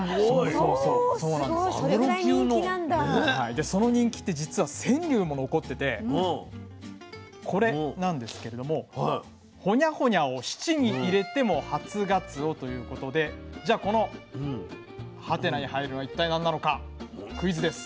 でその人気って実は川柳も残っててこれなんですけれども「ホニャホニャを質に入れても初がつお」ということでじゃあこのハテナに入るのは一体何なのかクイズです。